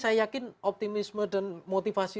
saya yakin optimisme dan motivasi